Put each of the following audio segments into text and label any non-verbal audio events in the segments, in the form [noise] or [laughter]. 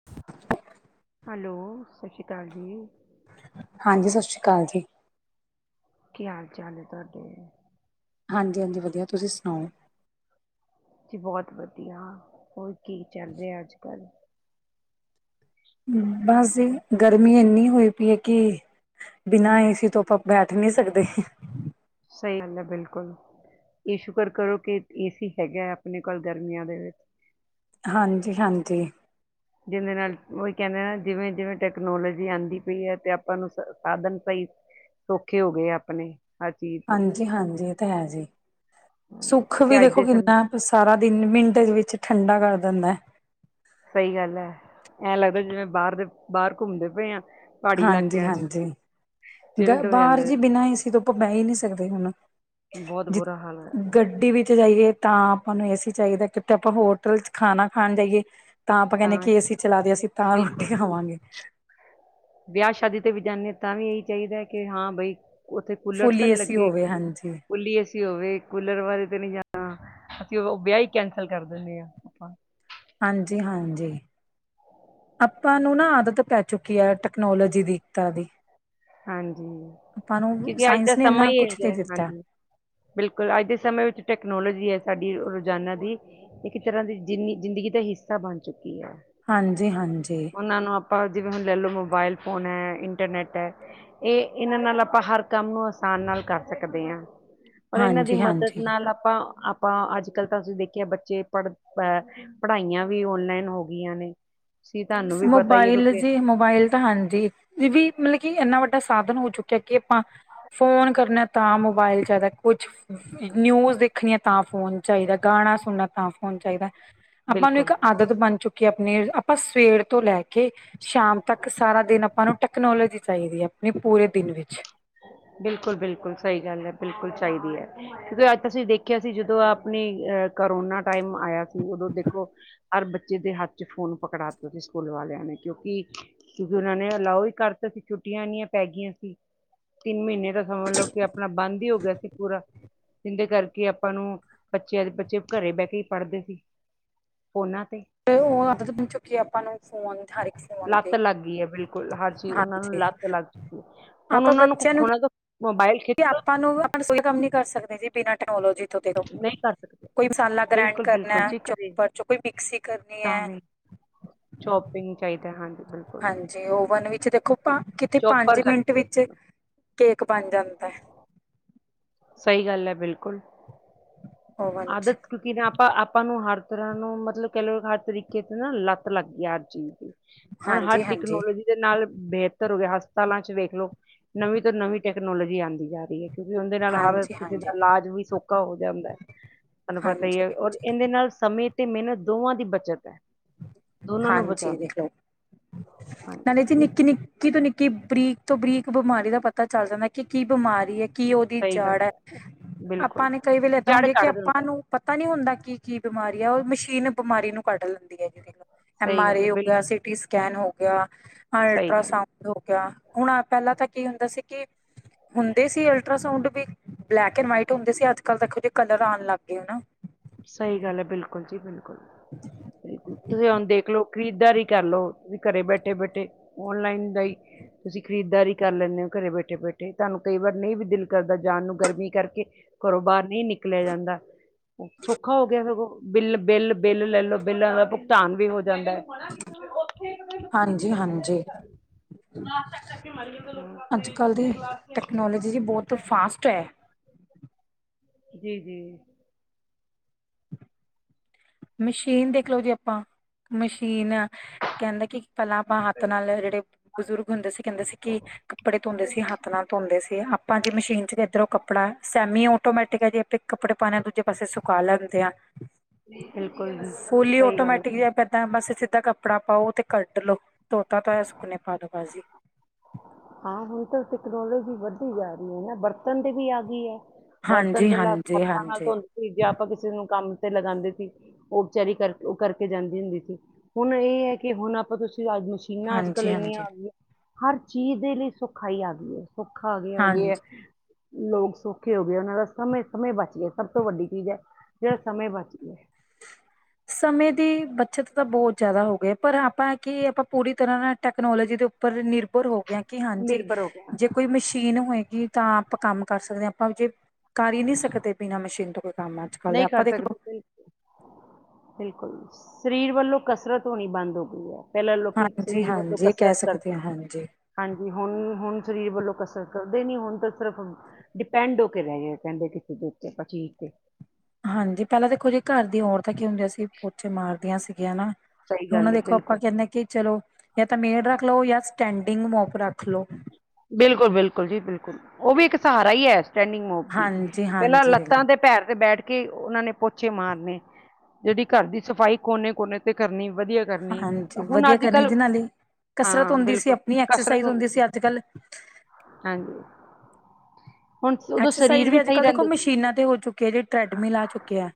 [inaudible] Hello, ਸਤਿ ਸ਼੍ਰੀ ਅਕਾਲ ਜੀ। ਹਾਂਜੀ। ਸਤਿ ਸ਼੍ਰੀ ਅਕਾਲ ਜੀ। ਕੀ ਹਾਲ- ਚਾਲ ਹੈ ਤੁਹਾਡੇ। ਹਾਂਜੀ- ਹਾਂਜੀ ਵਧੀਆ। ਤੁਸੀਂ ਸੁਣਾਓ? ਜੀ ਬਹੁਤ ਵਧੀਆ। ਹੋਰ ਕੀ ਚੱਲ ਰਿਹਾ ਅੱਜ ਕੱਲ੍ਹ। ਬਸ ਜੀ, ਗਰਮੀ ਇੰਨੀ ਹੋਈ ਪਈ ਹੈ ਕਿ ਬਿਨਾਂ ਏ ਸੀ ਤੋਂ ਆਪਾਂ ਬੈਠ ਨਹੀਂ ਸਕਦੇ। ਸਹੀ ਗੱਲ ਹੈ। ਬਿਲਕੁਲ, ਇਹ ਸ਼ੁਕਰ ਕਰੋ ਕਿ ਏ ਸੀ ਹੈਗਾ। ਆਪਣੇ ਕੋਲ ਗਰਮੀਆਂ ਦੇ ਵਿੱਚ ਹਾਂਜੀ-ਹਾਂਜੀ। ਜਿਦੇ ਨਾਲ ਉਹੀ ਕਹਿੰਦੇ ਨਾ ਜਿਵੇਂ-ਜਿਵੇਂ ਟੈਕਨੋਲੋਜੀ ਆਉਂਦੀ ਪਈ ਹੈ ਤੇ ਆਪਾਂ ਨੂੰ ਸਾਧਨ ਸਹੀ ਸੋਖੇ ਹੋ ਗਏ। ਆਪਣੇ ਹਰ ਚੀਜ਼ ਤੇ ਹਾਂਜੀ-ਹਾਂਜੀ ਇਹ ਤਾਂ ਹੈ ਜੇ, ਹਾਂਜੀ ਸੁੱਖ ਵੀ ਕਿਉਂਕਿ ਅੱਜ ਦੇਖੋ ਦੇ ਸਮੇਂ ਕਿੰਨਾ- ਸਾਰਾ ਦਿਨ ਮਿੰਟ ਵਿੱਚ ਠੰਡਾ ਕਰ ਦਿੰਦਾ ਹੈ। ਸਹੀ ਗੱਲ ਹੈ। ਐਂ ਲੱਗਦਾ ਜਿਵੇਂ ਬਾਹਰ ਦੇ ਬਾਹਰ ਘੁੰਮਦੇ ਪਂਏ ਆ। ਪਹਾੜੀ ਹਾਂਜੀ- ਇਲਾਕਿਆਂ ਚ ਹਾਂਜੀ ਗ ਚਿਲਡ ਹੋ ਬਾਹਰ ਜਾਂਦਾ ਜੀ ਬਿਨਾਂ ਹੀ ਤੋਂ ਉਹ ਬੈਹ ਹੀ ਨਹੀਂ ਸਕਦੇ ਹੁਣ। ਬਹੁਤ ਜਿ ਬੁਰਾ ਹਾਲ ਹੋਇਆ ਪਿਆ। ਗੱਡੀ ਵਿੱਚ ਜਾਈਏ। ਤਾਂ ਆਪਾਂ ਨੂੰ ਚਾਹੀਦਾ। ਕਿਤੇ ਆਪਾਂ ਹੋਟਲ ਚ' ਖਾਣਾ ਖਾਣ ਜਾਈਏ। ਤਾਂ ਆਪਾਂ ਕਹਿੰਦੇ ਕਿ ਏ ਸੀ ਚਲਾਦੇ ਅਸੀਂ ਤਾਂ ਬਿਲਕੁਲ ਰੋਟੀ ਖਾਵਾਂਗੇ। ਵਿਆਹ- ਸ਼ਾਦੀ ਤੇ ਵੀ ਜਾਂਦੇ ਤਾਂ ਵੀ ਇਹੀ ਚਾਹੀਦਾ ਕਿ ਹਾਂ। ਬਈ, ਉੱਥੇ ਕੂਲਰ ਫੁੱਲੀ ਤਾਂ ਨਹੀਂ ਏਸੀ ਲੱਗੇ। ਹੋਵੇ ਹਾਂਜੀ ਫੁਲੀ ਏ ਸੀਂ ਹੋਵੇ, ਕੂਲਰ ਬਾਰੇ ਤੇ ਨਹੀਂ ਜਾਣਾ। ਅਸੀਂ ਵਿਆਹ ਹੀ ਕੈਂਸਲ ਕਰ ਦਿੰਦੇ ਹਾਂ। ਆਪਾਂ ਹਾਂਜੀ- ਹਾਂਜੀ। ਆਪਾਂ ਨੂੰ ਨਾ ਆਦਤ ਪੈ ਚੁੱਕੀ ਹੈ ਟੈਕਨੋਲੋਜੀ ਦੀ ਏਤਾ ਦੀ। ਹਾਂਜੀ। ਆਪਾਂ ਨੂੰ ਕਿਉਂਕਿ ਅੱਜ ਤਾਂ ਸਾਇੰਸ ਨੇ ਸਮਾਂ ਇੰਨਾ ਹੀ ਕੁਛ ਦੇ ਹੈਗਾ। ਦਿੱਤਾ। ਹਾਂਜੀ। ਬਿਲਕੁਲ ਅੱਜ ਦੇ ਸਮੇਂ ਵਿੱਚ ਟੈਕਨੋਲੋਜੀ ਹੈ ਸਾਡੀ ਰੋਜ਼ਾਨਾ ਦੀ। ਇੱਕ ਤਰ੍ਹਾਂ ਦੀ ਜਿੰਨੀ ਜ਼ਿੰਦਗੀ ਦਾ ਹਿੱਸਾ ਬਣ ਚੁੱਕੀ ਹੈ। ਹਾਂਜੀ- ਹਾਂਜੀ। ਉਹਨਾਂ ਨੂੰ ਜਿਵੇਂ ਹੁਣ ਲੈ ਲਓ ਮੋਬਾਇਲ ਫੋਨ ਹੈ ਇੰਟਰਨੈੱਟ ਹੈ ਇਹ ਇਹਨਾਂ ਨਾਲ ਆਪਾਂ ਹਰ ਕੰਮ ਨੂੰ ਆਸਾਨ ਨਾਲ ਕਰ ਸਕਦੇ ਹਾਂ ਪਰ ਇਹਨਾਂ ਦੀ ਮਦਦ ਹਾਂਜੀ-ਹਾਂਜੀ। ਨਾਲ ਆਪਾਂ ਆਪਾਂ ਅੱਜ ਕੱਲ੍ਹ ਤਾਂ ਅਸੀਂ ਦੇਖਿਆ ਬੱਚੇ ਪੜ੍ਹ ਅ ਪੜ੍ਹਾਈਆਂ ਵੀ ਔਨਲਾਈਨ ਹੋ ਗਈਆਂ ਨੇ ਤੁਸੀਂ ਤੁਹਾਨੂੰ ਵੀ ਪਤਾ ਹੀ ਹੈ ਮੋਬਾਈਲ ਕਿਉਂਕਿ ਜੀ ਮੋਬਾਈਲ ਤਾਂ ਹਾਂਜੀ ਇਹ ਵੀ ਮਤਲਬ ਕੀ ਇਨਾ ਵੱਡਾ ਸਾਧਨ ਹੋ ਚੁੱਕਿਆ ਕਿ ਆਪਾਂ ਫੋਨ ਕਰਨਾ ਤਾਂ ਮੋਬਾਈਲ ਚਾਹੀਦਾ ਕੁਛ ਨਿਊਜ਼ ਦੇਖਣੀਆਂ ਤਾਂ ਫੋਨ ਚਾਹੀਦੈ ਗਾਣਾ ਸੁਣਨਾ ਤਾਂ ਫੋਨ ਚਾਹੀਦੈ ਆਪਾਂ ਨੂੰ ਬਿਲਕੁਲ ਇੱਕ ਆਦਤ ਬਣ ਚੁੱਕੀ ਆਪਣੀ ਆਪਾਂ ਸਵੇਰ ਤੋਂ ਲੈ ਕੇ ਸ਼ਾਮ ਤੱਕ ਸਾਰਾ ਦਿਨ ਆਪਾਂ ਨੂੰ ਟੈਕਨੋਲੋਜੀ ਚਾਹੀਦੀ ਹੈ ਆਪਣੀ ਪੂਰੇ ਦਿਨ ਵਿੱਚ ਬਿਲਕੁਲ ਬਿਲਕੁਲ ਸਹੀ ਗੱਲ ਹੈ ਬਿਲਕੁਲ ਚਾਹੀਦੀ ਹੈ ਕਿਉਂਕਿ ਅੱਜ ਅਸੀਂ ਦੇਖਿਆ ਸੀ ਜਦੋਂ ਆਪਣੀ ਅਹ ਕਰੋਨਾ ਟਾਈਮ ਆਇਆ ਸੀ ਉਦੋਂ ਦੇਖੋ ਹਰ ਬੱਚੇ ਦੇ ਹੱਥ ਚ ਫੋਨ ਪਕੜਾ ਸੀ ਸਕੂਲ ਵਾਲਿਆਂ ਨੇ ਕਿਉਂਕਿ ਕਿਉਂਕਿ ਉਹਨਾਂ ਨੇ ਅਲਾਓ ਹੀ ਕਰ ਦਿੱਤਾ ਸੀ ਛੁੱਟੀਆਂ ਇੰਨੀਆਂ ਪੈ ਗਈਆਂ ਸੀ ਤਿੰਨ ਮਹੀਨੇ ਦਾ ਸਮਝ ਲਓ ਕਿ ਆਪਣਾ ਬੰਦ ਹੀ ਹੋ ਗਿਆ ਸੀ ਪੂਰਾ ਜਿੰਦੇ ਕਰਕੇ ਆਪਾਂ ਨੂੰ ਬੱਚਿਆਂ ਦੇ ਬੱਚੇ ਘਰੇ ਬਹਿ ਕੇ ਹੀ ਪੜ੍ਹਦੇ ਸੀ ਫੋਨਾਂ ਤੇ ਤੇ ਉਹ ਹੁਣ ਆਦਤ ਬਣ ਚੁੱਕੀ ਆਪਾਂ ਨੂੰ ਫੋਨ ਹਰ ਫੋਨ ਲੱਤ ਦੇ ਲੱਗ ਗਈ ਹੈ ਬਿਲਕੁਲ ਹਰ ਚੀਜ਼ ਉਹਨਾਂ ਨੂੰ ਹਾਂਜੀ ਲੱਤ ਲੱਗ ਚੁੱਕੀ ਹੈ ਹੁਣ ਉਹਨਾਂ ਨੂੰ ਕੁੱਖ ਉਹਨਾਂ ਤੋਂ ਮੋਬਾਈਲ ਵੀ ਆਪਾਂ ਨੂੰ ਆਪਾਂ ਰਸੋਈ ਕੰਮ ਨੀ ਕਰ ਸਕਦੇ ਜ ਬਿਨਾਂ ਟੈਕਨੋਲੋਜੀ ਥੋਂ ਦੇਖੋ ਨਹੀਂ ਕਰ ਸਕਦੇ ਕੋਈ ਮਸਾਲਾ ਗ੍ਰੈਂਡ ਬਿਲਕੁਲ ਕਰਨਾ ਬਿਲਕੁਲ ਜੀ ਘਰੇ ਚੋਪਰ ਚ ਕੋਈ ਮਿਕਸੀ ਕਰਨੀ ਤਾਂ ਹੈ ਵੀ ਸ਼ੋਪਿੰਗ ਚਾਹੀਦੈ ਹਾਂਜੀ। ਬਿਲਕੁਲ ਹਾਂਜੀ ਓਵਨ ਵਿੱਚ ਦੇਖੋ ਕਿਥਤੇ ਪੰਜ ਚੋਪਰ ਮਿੰਟ ਵਿੱਚ ਚਾਹੀਦਾ ਕੇਕ ਬਣ ਜਾਂਦੈ ਸਹੀ ਗੱਲ ਹੈ ਬਿਲਕੁਲ ਓਵਨ ਚ ਆਦਤ ਕੀ ਨਾ ਆਪਾਂ ਆਪਾਂ ਨੂੰ ਹਰ ਤਰ੍ਹਾਂ ਨੂੰ ਮਤਲਬ ਕਹਿ ਲਓ ਹਰ ਤਰੀਕੇ ਤੇ ਨਾ ਲੱਤ ਲੱਗੀ ਹੈ ਹਰ ਚੀਜ਼ ਦੀ। ਹੁਣ ਹਰ ਹਾਂਜੀ ਹਾਂਜੀ ਟੈਕਨੋਲੋਜੀ ਦੇ ਨਾਲ ਬਿਹਤਰ ਹੋ ਗਿਆ ਹਸਪਤਾਲਾਂ ਚ ਵੇਖ ਲੋ ਨਵੀਂ ਨਵੀ ਟੈਕਨੋਲੋਜੀ ਆਂਦੀ ਜਾ ਰਹੀ ਹੈ ਕਿਂਉਕਿ ਦੇ ਨਾਲ ਹਰ ਹਾਂਜੀ ਕਿਸੇ ਹਾਂਜੀ ਦਾ ਇਲਾਜ ਵੀ ਸੋਖਾ ਹੋ ਜਾਂਦਾ। ਤੁਹਾਨੂੰ ਪਤਾ ਹੀ ਹਾਂਜੀ ਹੈ ਔਰ ਇਹਦੇ ਨਾਲ ਸਮੇਂ ਤੇ ਮਿਹਨਤ ਦੋਵਾਂ ਦੀ ਬੱਚਤ ਹੈ। ਦੋਨਾਂ ਨੂੰ ਹਾਂਜੀ ਬਚਾਉਂਦਾ ਦੇਖ ਲਓ ਹਾਂਜੀ ਨਾਲੇ ਤੇ ਨਿੱਕੀ ਨਿੱ ਨਿੱਕੀ ਤੋਂ ਨਿੱਕੀ ਬਰੀਕ ਤੋਂ ਬਰੀਕ ਬਿਮਾਰੀ ਦਾ ਪਤਾ ਚੱਲ ਜਾਂਦੈ ਕਿ ਕੀ ਬਿਮਾਰੀ ਹੈ ਕੀ ਉਹਦੀ ਸਹੀ ਗੱਲ ਜਾੜ ਹੈ ਆਪਾਂ ਬਿਲਕੁਲ ਨੇ ਕਈ ਵਾਰੀ ਏਦਾਂ ਜੜ ਹੁੰਦੀ ਏ ਕਿ ਕੱਢ ਦਿੰਦਾ ਆਪਾਂ ਹੈ। ਨੂੰ ਪਤਾ ਨਹੀਂ ਹੁੰਦਾ ਕੀ ਕੀ ਬਿਮਾਰੀ ਆ ਉਹ ਮਸ਼ੀਨ ਬਿਮਾਰੀ ਨੂੰ ਕੱਢ ਲੈਂਦੀ ਹੈ ਜ। ਐਮ ਸਹੀ ਆਰ ਗੱਲ ਏ ਹੈ ਹੋ ਗਿਆ ਬਿਲਕੁਲ ਸੀਟੀ ਸਕੈਨ ਹੋ ਗਿਆ ਸਹੀ ਗੱਲ ਅਲਟਰਾਸਾਊਂਡ ਹੋ ਗਿਆ ਹੁਣ ਪਹਿਲਾਂ ਤਾਂ ਕੀ ਹੁੰਦਾ ਸੀ ਕਿ ਹੁੰਦੇ ਸੀ ਅਲਟਰਾਸਾਊਂਡ ਵੀ ਬਲੈਕ ਐਂਡ ਵਾਈਟ ਹੁੰਦੇ ਸੀ ਅੱਜ ਕੱਲ੍ਹ ਦੇਖੋ ਜਹੇ ਕਲਰ ਆਣ ਲੱਗ ਗਏ ਨਾ। ਸਹੀ ਗੱਲ ਹੈ ਬਿਲਕੁਲ ਜੀ ਬਿਲਕੁਲ। [unintelligible] [inaudible] ਬੁ ਤੁਸੀਂ ਹੁਣ ਦੇਖਲੋ ਖਰੀਦਦਾਰੀ ਕਰਲਓ ਤੁਸੀਂ ਘਰੇ ਬੈਠੇ ਬੈਠੇ ਓਨਲਾਈਨ ਦਾ ਹੀ ਤੁਸੀਂ ਖਰੀਦਾਰੀ ਕਰ ਲੈਂਦੇ ਹੋ ਘਰੇ ਬੈਠੇ ਬੈਠੇ ਤੁਹਾਨੂੰ ਕਈ ਵਾਰ ਨਹੀਂ ਵੀ ਦਿਲ ਕਰਦਾ ਜਾਣ ਨੂੰ ਗਰਮੀ ਕਰਕੇ ਘਰੋਂ ਬਾਹਰ ਨਹੀਂ ਨਿਕਲਿਆ ਜਾਂਦਾ। ਸੌਖਾ ਹੋ ਗਿਆ ਸਗੋਂ ਬਿੱਲ ਬਿੱਲ ਬਿੱਲ ਲੈ ਲੋ ਬਿੱਲਾਂ ਦਾ ਭੁਗਤਾਨ ਵੀ ਹੋ ਜਾਂਦਾ ਹੈ। ਹਾਂਜੀ ਹਾਂਜੀ। ਅੱਜ ਕਲ ਦੀ ਟੈਕਨੋਲੋਜੀ ਜ ਬਹੁਤ ਫਾਸਟ ਹੈ। ਜੀ ਜੀ। ਮਸ਼ੀਨ ਦੇਖਲਓ ਜੀ ਆਪਾਂ ਮਸ਼ੀਨ ਕਹਿੰਦੇ ਕਿ ਕਲਾ ਆਪਾਂ ਹੱਥ ਨਾਲ ਜਿਹੜੇ ਬਜ਼ੁਰਗ ਹੁੰਦੇ ਸੀ ਕਹਿੰਦੇ ਸੀ ਕਿ ਕੱਪੜੇ ਧੋਂਦੇ ਸੀ ਹੱਥ ਨਾਲ ਧੋਂਦੇ ਸੀ। ਭਾਜੀ ਮਸ਼ੀਨ ਚ ਇੱਧਰੋਂ ਕੱੜਾ ਸੈਮੀ ਆਟੋਮੈਟਿਕ ਜੇ ਆਪਣੇ ਕੱਪੜੇ ਪਾਨੇ ਹ ਦੂਜੇ ਪਾਸੇ ਸੁਕਾ ਲੈਂਦੇ ਆਂ। ਬਿਲਕੁਲ। ਜੀ ਫੁਲੀ ਸਹੀ ਗੱਲ ਹੈ। ਆਟੋਮੈਟਿਕ ਜਿਹਾ ਇਦਾਂ ਬਸ ਸਿੱਧਾ ਕੱਪੜਾ ਪਾਓ ਤੇ ਕੱਢ ਲੋ। ਧੋਤਾ ਤਾਂਇਆ ਸੁੱਕਨੇ ਪਾ ਦੋ ਬਾਜ਼ੀ। ਹਾਂ ਹੁਣ ਤਾਂ ਤੈਕਨੋਲੋਜੀ ਵੱਧਦੀ ਜਾ ਰਹੀ ਹੈ ਨਾ ਬਰਤਣ ਦੀ ਵੀ ਆ ਗਈ ਹੈ। ਬਰਤਨ ਹਾਂਜੀ ਪਹਿਲਾਂ ਹਾਂਜੀ ਹੱਥਾਂ ਨਾਲ ਹਾਂਜੀ ਧੋਂਦੇ ਸੀ ਜੇ ਆਪਾਂ ਕਿਸੇ ਨੂੰ ਕੰਮ ਤੇ ਲਗਾਉਂਦੇ ਸੀ। ਉਪਚਾਰੀ ਕਰਕੇ ਉਹ ਕਰਕੇ ਜਾਂਦੀ ਹੁੰਦੀ ਸੀ ਹੁਣ ਇਹ ਹੈ ਕਿ ਹੁਣ ਆਪਾਂ ਤੁਸੀਂਜ ਚੀਨਾ ਅੱਜ ਹਾਂਜੀ ਕੱਲ੍ਹ ਇੰਨੀਆਂ ਹਾਂਜੀ ਆ ਗਈਆਂ ਹਰ ਚੀਜ਼ ਦੇ ਲਈ ਸੌਖਾਈ ਆ ਗਈ ਹੈ। ਭੁਖਾ ਆ ਗਿਆ ਹੋ ਹਾਂਜੀ ਗਿਆ ਹੈ। ਲੋਕ ਸੌਖੇ ਹੋ ਗਏ ਉਹਨਾਂ ਦਾ ਸਮੇਂ ਸਮੇਂ ਬਚ ਗਿਆ ਸਭ ਤੋਂ ਵੱਡੀ ਚੀਜ਼ ਹੈ ਜਿਹੜਾ ਸਮੇਂ ਬਚ ਗਿਆ। ਸਮੇਂ ਦੀ ਬੱਚਤ ਤਾਂ ਬਹੁਤ ਜ਼ਿਆਦਾ ਹੋ ਗ ਪਰ ਆਪਾਂ ਕਿ ਆਪਾਂ ਪੂਰੀ ਤਰ੍ਹਾਂ ਨਾਲ ਟੈਕਨੋਲੋਜੀ ਦੇ ਉੱਪਰ ਨਿਰਭਰ ਹੋ ਗੇ ਆਂ ਕਿ ਹਾਂਜੀ ਨਿਰਭਰ ਹੋ ਗਿਆ ਜੇ ਕੋਈ ਮਸ਼ੀਨ ਹੋਏਗੀ ਤਾਂ ਆਪਾਂ ਕੰਮ ਕਰ ਸਕਦੇ ਹਾਂ ਆਪਾਂ ਜੇ ਕਰ ਹੀ ਨਹੀਂ ਸਕਦੇ ਬਿਨਾਂ ਮਸ਼ੀਨ ਤੋਂ ਕੋਈ ਕੰਮ ਅੱਜ ਕੱਲ ਆਪਾਂ ਦੇਖ ਲ ੁ ਬਿਲਕੁਲ ਸਰੀਰ ਵੱਲੋਂ ਕਸਰਤ ਹੋਣੀ ਬੰਦ ਹੋ ਗਈ ਹੈ। ਪਹਿਲ ਲੋਕੀ ਹਾਂਜੀ ਸ਼ਰੀਰ ਬਧੋਂ ਹਾਂਜੀ ਇਹ ਕਹਿ ਕਸਰਤ ਸਕਦੇ ਕਰਦੇ ਹਾਂ ਸੀ। ਹਾਂਜੀ ਹਾਂਜੀ ਹੁਣ ਹੁਣ ਸਰੀਰ ਵੱਲੋਂ ਕਸਰਤ ਕਰਦੇ ਨੀ ਹੁਣ ਤਾਂ ਸਿਰਫ, ਡਿਪੈਂਡ ਹੋ ਕੇ ਰਹਿਗੇ ਕਹਿੰਦੇ ਕਿਸੇ ਦੇ ਉੱਤੇ ਪਕੀਰ ਤੇ, ਹਾਂਜੀ ਪਹਿਲਾਂ ਦੇਖੋ ਜਿਹੀ ਘਰ ਦੀਆਂ ਔਰਤਾਂ ਕੀ ਹੁੰਦੀ ਆ ਸੀਂ ਪੋਚੇ ਮਾਰਦੀਆਂ ਸੀਗੀਆਂ ਨਾ, ਸਹੀ ਹੁਣ ਗੱਲ ਹੈ ਦੇਖੋ ਆਪਾਂ ਬਿਲਕੁਲ ਕਹਿੰਦੇ ਕਿ ਚਲੋ ਜਾਂ ਤਾਂ ਮੇੜ ਰੱਖ ਲਓ ਜਾਂ ਸਟੈਂਡਿੰਗ ਮੋਪ ਰੱਖ ਲਓ ਬਿਲਕੁਲ ਬਿਲਕੁਲ ਜੀ ਬਿਲਕੁਲ ਉਹ ਵੀ ਇੱਕ ਸਹਾਰਾ ਹੀ ਹੈ ਸਟੈਂਡਿੰਗ ਮੋਪ ਹਾਂਜੀ ਪਹਿਲਾਂ ਹਾਂਜੀ ਦੇਖ ਲੱਤਾਂ ਦੇ ਪੈਰ ਤੇ ਬੈਠ ਕੇ, ਕੇ ਉਹਨਾਂ ਨੇ ਪੋਚੇ ਮਾਰਨੇ ਜਿਹੜੀ ਘਰ ਦੀ ਸਫਾਈ ਕੋਨੇ ਕੋਨੇ ਤੇ ਕਰਨੀ ਵਧੀਆ, ਕਰਨੀ ਹਾਂਜੀ ਹੁਣ ਵਧੀਆ ਅੱਜ ਕਰਨੀ ਕੱਲ ਜੀ ਨਾਲੇ ਕਸਰਤ ਹਾਂ ਹੁੰਦੀ ਸੀ ਬਿਲਕੁਲ ਆਪਣੀ ਕਸਰਤ ਐਕਸਰਸਾਈਜ਼ ਹੁੰਦੀ ਸੀ। ਅੱਜ ਕੱਲ ਹਾਂਜੀ ਹੁਣ ਉਦੋਂ ਸਰੀਰ ਐਕਸਰਸਾਈਜ਼ ਵੀ ਅੱਜ ਸਹੀ ਕੱਲ੍ਹ ਦੇਖੋ ਰਹਿੰਦੇ ਸੀ ਮਸ਼ੀਨਾਂ ਤੇ ਹੋ ਚੁੱਕੇ ਆ ਜਿਹੜ ਟ੍ਰੈਡਮਿਲ ਆ ਚੁੱਕੇ ਆ।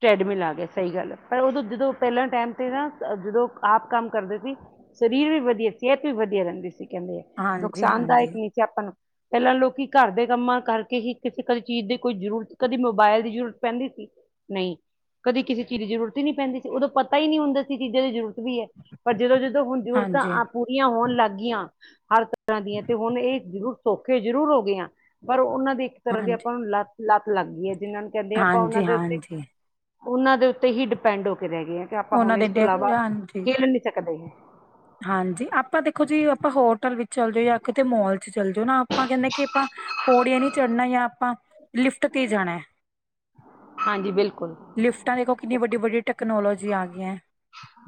ਟ੍ਰੈਡਮਿਲ ਆ ਗਿਆ ਸਹੀ ਗੱਲ ਪਰ ਉਦੋਂ ਜਦੋਂ ਪਹਿਲਾਂ ਟਾਈਮ ਤੇ ਨਾ ਜਦੋਂ ਆਪ ਕੰਮ ਕਰਦੇ ਸੀ ਸਰੀਰ ਵੀ ਵਧੀਆ ਸਿਹਤ ਵੀ ਵਧੀਆ ਰਹਿੰਦੀ ਸੀ ਕਹਿੰਦੇ ਆ ਹਾਂਜੀ ਨੁਕਸਾਨਦਾਇਕ ਹਾਂਜੀ ਨਹੀਂ ਸੀ ਆਪਾਂ ਨੂੰ, ਪਹਿਲਾਂ ਲੋਕੀ ਘਰ ਦੇ ਕੰਮਾਂ ਕਰਕੇ ਹੀ ਕਿਸੇ ਕਦੇ ਚੀਜ਼ ਦੀ ਕੋਈ ਜ਼ਰੂਰਤ ਕਦੇ ਮੋਬਾਇਲ ਦੀ ਜ਼ਰੂਰਤ ਪੈਂਦੀ ਸੀ। ਨਹੀਂ ਕਦੇ ਕਿਸੇ ਚੀਜ਼ ਦੀ ਜ਼ਰੂਰਤ ਹੀ ਨਹੀਂ ਪੈਂਦੀ ਸੀ ਉਦੋਂ ਪਤਾ ਹੀ ਨਹੀਂ ਹੁੰਦਾ ਸੀ ਚੀਜ਼ਾਂ ਦੀ ਜ਼ਰੂਰਤ ਵੀ ਹੈ ਪਰ ਜਦੋਂ ਜਦੋਂ ਹੁਣ ਹਾਂਜੀ ਜਰੂਰਤਾਂ ਪੂਰੀਆਂ ਹੋਣ ਲੱਗ ਗਈਆਂ ਹਰ ਤਰ੍ਹਾਂ ਦੀਆਂ ਤੇ ਹੁਣ ਇਹ ਜ਼ਰੂਰ ਸੌਖੇ ਜ਼ਰੂਰ ਹੋ ਗਏ ਆ ਪਰ ਉਹਨਾਂ ਦੇ ਤਰ੍ਹਾਂ ਦੀ ਹਾਂਜੀ ਆਪਾਂ ਨੂੰ ਲੱਤ ਲੱਤ ਲੱਗ ਗਈ ਹੈ ਜਿਹਨਾਂ ਨੂੰ ਕਹਿੰਦੇ ਆ ਆਪਾਂ ਉਹਨਾਂ ਹਾਂਜੀ ਦੇ ਉੱਤੇ ਹਾਂਜੀ ਉਹਨਾਂ ਦੇ ਉੱਤੇ ਹੀ ਡਿਪੈਂਡ ਹੋ ਕੇ ਰਹਿ ਗਏ ਆ ਕਿ ਆਪਾਂ ਹੁਣ ਉਹਨਾਂ ਇਸ ਦੇ ਤੋਂ ਇਲਾਵਾ ਹਾਂਜੀ ਖੇਲ ਨੀ ਸਕਦੇ। ਹਾਂਜੀ ਆਪਾਂ ਦੇਖੋ ਜੀ ਆਪਾਂ ਹੋਟਲ ਵਿੱਚ ਚੱਲ ਜੋ ਜਾਂ ਕਿਤੇ ਮੋਲ ਚ ਚੱਲ ਜੋ ਨਾ ਆਪਾਂ ਕਹਿੰਦੇ ਕਿ ਆਪਾਂ ਪੌੜੀਆਂ ਨਹੀਂ ਚੜ੍ਹਨਾ ਜਾਂ ਆਪਾਂ ਲਿਫਟ ਤੇ ਜਾਣੈ। ਹਾਂਜੀ ਬਿਲਕੁਲ ਲਿਫਟਾਂ ਦੇਖੋ ਕਿੰਨੀ ਵੱਡੀ ਵੱਡੀ ਟੈਕਨੋਲੋਜੀ ਆ ਗਈ ਹੈ।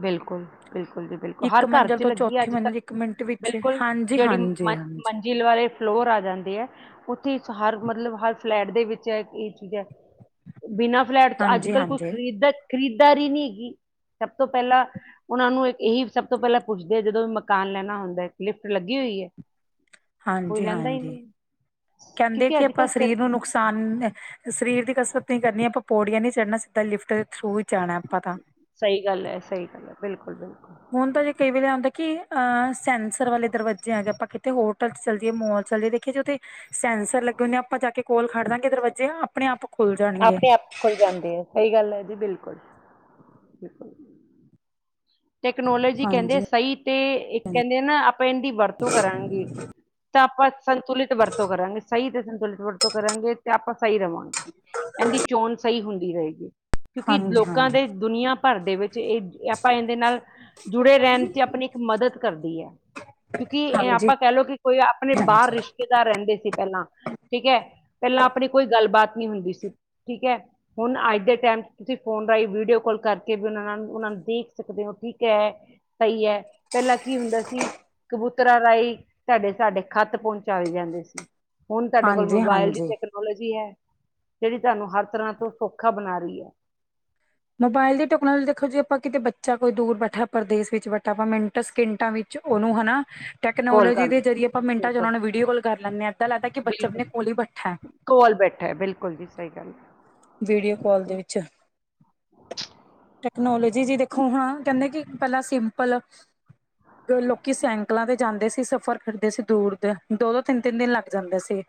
ਬਿਲਕੁਲ ਬਿਲਕੁਲ ਜੀ ਬਿਲਕੁਲ, ਹਰ ਇੱਕ ਘਰ ਮੰਜ਼ਿਲ ਚ ਤੋਂ ਲੱਗੀ ਹੈ ਚੌਥੀ ਅੱਜ ਕੱਲ ਮੰਜ਼ਿਲ ਇੱਕ ਮਿੰਟ ਵਿੱਚ ਬਿਲਕੁਲ ਹਾਂਜੀ ਜਿਹੜੀ ਹਾਂਜੀ ਮ ਹਾਂਜੀ ਮੰ ਦਿਲ ਵਾਲੇ ਫਲੋਰ ਆ ਜਾਂਦੇ ਆ। ਉੱਥੇ ਹਰ ਮਤਲਬ ਹਰ ਫਲੈਟ ਦੇ ਵਿੱਚ ਇਹ ਚੀਜ਼ ਹੈ, ਬਿਨਾਂ ਫਲੈਟ ਤੋਂ ਅੱਜ ਹਾਂਜੀ ਕੱਲ੍ਹ ਕੋਈ ਹਾਂਜੀ ਖਰੀਦ ਖਰੀਦਦਾਰੀ ਨਹੀਂੀ ਹੈਗੀ ਸਭ ਤੋਂ ਪਹਿਲਾਂ, ਉਹਨਾ ਨੂੰ ਇਹੀ ਸਭ ਤੋਂ ਪਹਿਲਾਂ ਪੁੱਛਦੇ ਆ ਜਦੋਂ ਵੀ ਮਕਾਨ ਲੈਣਾ ਹੁੰਦਾ ਲਿਫਟ ਲੱਗੀ ਹੋਈ ਹੈ। ਕੋਈ ਹਾਂਜੀ ਲੈਂਦਾ ਹੀ ਹਾਂਜੀ ਨਹੀਂ ਕਹਿੰਦੇ ਕਿਉਂਕਿ ਕਿ ਅੱਜ ਆਪਾਂ ਕੱਲ ਸਰੀਰ ਨੂੰ ਨੁਕਸਾਨ, ਸਰੀਰ ਦੀ ਕਸਰਤ ਨ ਕਰਨੀ ਆਪਾਂ ਪੌੜੀਆਂ ਨੀ ਚੜ੍ਹਨਾ ਸਿੱਧਾ ਲਿਫਟ ਦੇ ਥਰੂ ਹੀ ਜਾਣਾ ਆਪਾਂ ਤਾਂ, ਸਹੀ ਗੱਲ ਹੈ ਸਹੀ ਗੱਲ ਹੈ ਬਿਲਕੁਲ ਬਿਲਕੁਲ ਹੁਣ ਤਾਂ ਜੇ ਕਈ ਵੇਲੇ ਆਂਦੈ ਕਿ ਅ ਸੈਂਸਰ ਵਾਲੇ ਦਰਵਾਜੇ ਆਗੇ ਆਪਾਂ ਕਿਤੇ ਹੋਟਲ ਚੱਲਜੀਏ ਮੋਲ ਚੱਲਜੀਏ ਜੇ ਸੈਂਸਰ ਲੱਗੇ ਹੁੰਦੇ ਆ ਆਪਾਂ ਜਾ ਕੇ ਕੋਲ ਖੜ ਦਾਂਗੇ ਦਰਵਾਜੇ ਆਪ ਆਪਣੇ ਆਪ ਖੁੱਲ ਜਾਣਗੇ ਆਪਣੇ ਆਪ ਖੁੱਲ ਜਾਂਦੇ ਆ ਸਹੀ ਗੱਲ ਹੈ ਜੀ ਬਿਲਕੁਲ [inaudible] ਦੇਖੋ ਟੈਕਨੋਲੋਜੀ ਕਹਿੰਦੇ ਹਾਂਜੀ-ਹਾਂਜੀ, ਸਹੀ ਤੇ ਇੱਕ ਕਹਿੰਦੇ ਨਾ ਆਪਾਂ ਇਹਨਾਂ ਦੀ ਵਰਤੋਂ ਕਰਾਂਗੇ। ਤਾਂ ਆਪਾਂ ਸੰਤੁਲਿਤ ਵਰਤੋਂ ਕਰਾਂਗੇ ਸਹੀ ਤੇ ਸੰਤੁਲਿਤ ਵਰਤੋਂ ਕਰਾਂਗੇ ਤੇ ਆਪਾਂ ਸਹੀ ਰਵਾਂਗੇ। ਇਹਦੀ ਚੋਣ ਸਹੀ ਹੁੰਦੀ ਰਹੇਗੀ ਕਿਉਂਕਿ ਲੋਕਾਂ ਹਾਂਜੀ-ਹਾਂਜੀ। ਦੇ ਦੁਨੀਆਂ ਭਰ ਦੇ ਵਿੱਚ ਇਹ ਆਪਾਂ, ਦੇ ਨਾਲ ਜੁੜੇ ਰਹਿਣ ਚ ਆਪਣੀ ਇੱਕ ਮਦਦ ਕਰਦੀ ਹੈ। ਕਿਉਂਕਿ ਇਹ ਆਪਾਂ ਕਹਿਲਓ ਕਿ ਕੋਈ ਆਪਣੇ ਬਾਹਰ ਹਾਂਜੀ-ਹਾਂਜੀ, ਰਿਸ਼ਤੇਦਾਰ ਰਹਿੰਦੇ ਸੀ ਪਹਿਲਾਂ ਠੀਕ ਹੈ। ਪਹਿਲਾਂ ਆਪਣੀ ਕੋਈ ਗੱਲਬਾਤ ਨੀ ਹੁੰਦੀ ਸੀ ਠੀਕ ਹੈ। ਹੁਣ ਅੱਜ ਦੇ ਟਾਈਮ ਚ ਤੁਸੀਂ ਫੋਨ ਰਾਹੀਂ ਵੀਡੀਓ ਕਾਲ ਕਰਕੇ ਵੀ ਉਹਨਾਂ ਉਹਨਾਂ ਨੂੰ ਦੇਖ, ਸਕਦੇ ਹੋ ਠੀਕ ਹੈ ਸਹੀ ਹੈ ਪਹਿਲਾਂ ਕੀ ਹੁੰਦਾ ਸੀ ਕਬੂਤਰ, ਰਾਹੀਂ ਤੁਹਾਡੇ ਸਾਡੇ ਖੱਤ ਪਹੁੰਚਾਏ ਜਾਂਦੇ ਸੀ ਹੁਣ ਤੁਹਾਡੇ ਕੋਲ ਮੋਬਾਇਲ ਦੀ ਹਾਂਜੀ-ਹਾਂਜੀ। ਟੈਕਨੋਲੋਜੀ ਹੈ ਜਿਹੜੀ ਤੁਹਾਨੂੰ ਹਰ ਤਰ੍ਹਾਂ ਤੋਂ ਸੌਖਾ ਬਣਾ ਰਹੀ ਹੈ। ਮੋਬਾਇਲ ਦੀ ਟੈਕਨੋਲੋਜੀ ਦੇਖੋ ਜੇ ਆਪਾਂ ਕਿਤੇ ਬੱਚਾ ਕੋਈ ਦੂਰ ਬੈਠਾ ਪਰਦੇਸ਼ ਵਿੱਚ ਬੈਠਾ ਆਪਾਂ ਮਿੰਟ, ਸਕਿੰਟਾਂ ਵਿੱਚ ਉਹਨੂੰ ਹਨਾ ਕਾਲ ਟੈਕਨੋਲੋਜੀ ਦੇ ਕਰਨਾ ਜ਼ਰੀਏ ਆਪਾਂ ਮਿੰਟਾਂ ਚ ਬਿਲਕੁਲ ਉਹਨਾਂ ਨੂੰ ਵੀਡੀਓ ਕੋਲ ਕਰ ਲੈਂਦੇ ਹ ਇੱਦਾਂ ਲੱਗਦਾ ਕਿ ਬੱਚ ਬਿਲਕੁਲ ਆਪਣੇ ਕੋਲ ਹੀ ਬਠਾ। ਕੋਲ ਬੈਠਾ ਬਿਲਕੁਲ ਜੀ ਸਹੀ ਗੱਲ ਹੈ ਵੀਡੀਓ ਕਾਲ ਦੇ ਵਿੱਚ ਟੈਕਨੋਲੋਜੀ ਜੀ ਦੇਖੋ ਹਾਂ ਕਹਿੰਦੇ ਕਿ ਪਹਿਲਾਂ ਸਿੰਪਲ ਲੋਕੀ ਸੈਂਕਲਾਂ ਤੇ ਜਾਂਦੇ ਸੀ ਸਫ਼ਰ ਕਰਦੇ ਸੀ ਦੂਰ ਦੇ ਦੋ ਦੋ ਤਿੰਨ ਤਿੰਨ ਦਿਨ ਲੱਗ ਜਾਂਦੇ ਸੀ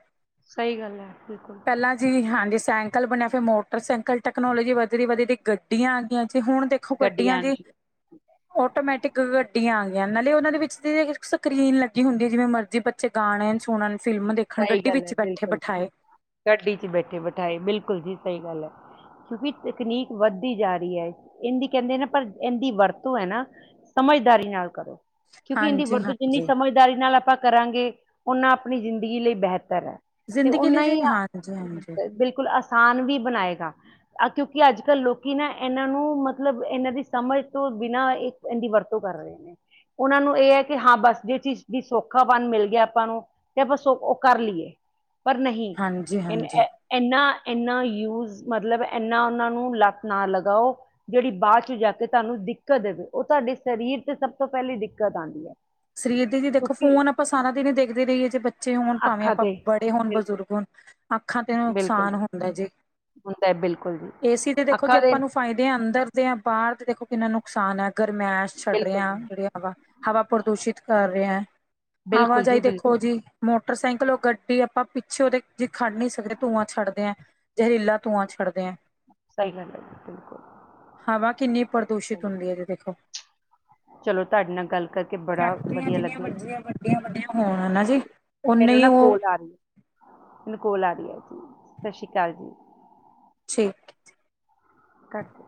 ਸਹੀ ਗੱਲ ਹੈ ਬਿਲਕੁਲ ਪਹਿਲਾਂ ਜੀ ਹਾਂਜੀ ਸਾਈਕਲ ਬਣਿਆ ਫੇਿਰ ਮੋਟਰ ਸਾਈਕਲ ਟੈਕਨੋਲੋਜੀ ਵਧ ਦੀ ਵਧਦੀ ਗੱਡੀਆਂ ਆ ਗਈਆਂ ਜੀ ਹੁਣ ਦੇ ੱਖੋ ਗੱਡੀਆਂ ਕੱਟੀਆਂ ਆਉਣ ਜੀ ਸ਼ੁਰੂ ਆਟੋਮੈਟਿਕ ਗੱਡੀਆਂ ਆ ਗਈਆਂ ਨਾਲੇ ਉਹਨਾਂ ਦੇ ਵਿੱਚ ਸਕਰੀਨ ਲੱਗੀ ਹੁੰਦੀ ਹੈ ਜਿਵੇਂ ਮਰਜ਼ੀ ਵਿੱਚ ਗਾਣੇ ਸੁਣਨ ਫਿਲਮ ਦੇਖਣ ਸਹੀ ਗੱਡੀ ਗੱਲ ਵਿੱਚ ਏ ਬੈਠੇ ਬਿਲਕੁਲ ਬਿਠਾਏ ਗੱਡੀ ਚ ਬੈਠੇ ਬਿਠਾਏ ਬਿਲਕੁਲ ਜੀ ਸਹੀ ਗੱਲ ਹੈ ਕਿਉਕਿ ਤਕਨੀਕ ਵੱਧਦੀ ਜਾ ਰਹੀ ਹੈ ਇਹਦੀ ਕਹਿੰਦੇ ਨਾ ਪਰ ਇਹਦੀ ਵਰਤੋਂ ਹੈ ਨਾ ਸਮਝਦਾਰੀ ਨਾਲ ਕਰੋ ਕਿਉਂਕਿ ਇੰ ਦੀ ਹਾਂਜੀ ਵਰਤੋਂ ਚ ਇੰਨੀ ਹਾਂਜੀ ਸਮਝ ਦਾਰੀ ਨਾਲ ਆਪਾਂ ਕਰਾਂਗੇ ਉਹਨਾਂ ਆਪਣੀ ਜ਼ਿੰਦਗੀ ਲਈ ਬਿਹਤਰ ਹੈ ਤੇ ਜ਼ਿੰਦਗੀ ਨਾ ਲਈ ਜੀ ਹੀ ਹਾਂਜੀ ਹਾਂਜੀ ਬਿਲਕੁਲ ਆਸਾਨ ਵੀ ਬਣਾਏਗਾ ਕਿਉਂਕਿ ਅੱਜ ਕੱਲ੍ਹ ਲੋਕੀ ਨਾ ਇਹਨਾਂ ਨੂੰ ਮਤਲਬ ਇਹਨਾਂ ਦੀ ਸਮਝ ਤੋਂ ਬਿਨਾਂ, ਇਹਦੀ ਵਰਤੋਂ ਕਰ ਰਹੇ ਨੇ ਉਹਨਾਂ ਨੂੰ ਇਹ ਹੈ ਕਿ ਹਾਂ ਬਸ ਜਿਹ ਚੀਜ਼ ਦੀ ਸੌਖਾਪਨ ਮਿਲ ਗਿਆ ਆਪਾਂ ਨੂੰ, ਤੇ ਆਪਾਂ ਉਹ ਕਰ ਲਈਏ ਪਰ ਨਹੀਂ ਹਾਂਜੀ ਇਹ ਹਾਂਜੀ ਇਨਾ ਇਨਾ ਯੂਜ ਮਤਲਬ ਇੰਨਾ ਉਹਨਾਂ ਨੂੰ ਲੱਤ ਨਾ ਲਗਾਓ, ਜਿਹੜੀ ਬਾਅਦ ਚ ਜਾ ਕੇ ਤੁਹਾਨੂੰ ਦਿੱਕਤ ਦੇਵੇ ਉਹ ਤੁਹਾਡੇ ਸਰੀਰ ਤੇ ਸਭ ਤੋਂ ਪਹਿਲੀ ਦਿੱਕਤ ਆਉਂਦੀ ਹੈ। ਸਰੀਰ ਦੇ ਜ ਦੇਖੋ ਕਿਉਂਕਿ ਫੋਨ ਆਪਾਂ ਸਾਰਾ ਦਿਨ ਹੀ ਦੇਖਦੇ ਰਹੀਏ ਜੇ ਬੱਚੇ ਹੋਣ ਭਾਵੇਂ ਅੱਖਾਂ ਆਪਾਂ ਤੇ ਬੜੇ ਹੋਣ ਬਿਲਕੁਲ ਬਜ਼ੁਰਗ ਹੋਣ। ਅੱਖਾਂ ਤੇ ਨੁਕਸਾਨ ਹੁੰਦਾ ਜੀ ਹੁੰਦਾ ਹੈ ਬਿਲਕੁਲ ਜੀ ਏਸੀ ਤੇ ਦੇਖੋ ਜੀ ਅੱਖਾਂ ਦੇ ਆਪਾਂ ਨੂੰ ਫਾਇਦੇ ਅੰਦਰ ਦੇ ਜਾਂ ਬਾਹਰ ਦੇਖੋ ਕਿੰਨਾ ਨੁਕਸਾਨ ਹੈ ਗਰਮੈਸ਼ ਛੱਡ ਬਿਲਕੁਲ ਰਿਹਾ ਜੀ ਜਿਹੜੀ ਹ ਹਵਾ ਪੁਰ ਦੂਸ਼ਿਤ ਕਰ ਰਿਹਾ ਬਿਲਕੁਲ ਆਵਾਜਾਈ ਜੀ ਦੇਖੋ ਬਿਲਕੁਲ ਜੀ ਮੋਟਰਸਾਈਕਲ ਉਹ ਗੱਡੀ ਆਪਾਂ ਪਿੱਛੇ ਉਹਦੇ ਜੇ ਖੜਨੀ ਧੂੰਆਂ ਛੱਡਦੇਂ ਐਂ, ਜ਼ਹਿਰੀਲਾ ਧੂੰਆਂ ਛੱਡਦੈਂ ਐਂ। ਸਹੀ ਗੱਲ ਹੈ ਜੀ, ਬਿਲਕੁਲ ਹਵਾ ਕਿੰਨੀ ਪ੍ਰਦੂਸ਼ਿਤ ਚਲੋ ਹੁੰਦੀ ਐ, ਜੀ ਦੇਖੋ। ਚਲੋ ਤੁਹਾਡੇ ਨਾਲ ਗੱਲ ਕਰਕੇ ਬੜਾ ਫੈਕਟਰੀਆਂ ਵਧੀਆ ਜਿੰਨੀਆਂ ਲੱਗਿਆ ਮਰਜ਼ੀਆਂ ਵੱਡੀਆਂ ਵੱਡੀਆਂ ਹੋਣ ਨਾ ਹਾਂਜੀ ਜੀ ਓਨੇ ਮੈਨੂੰ ਹੀ ਨਾ ਉਹ ਕੋਲ ਆ ਰਹੀ ਹੈ ਮੈਨਕਲ ਆ ਰ ਹੈ ਜੀ ਸਤਿ ਸ਼੍ਰੀ ਅਕਾਲ ਜੀ ਠੀਕ ਕਰਦੇ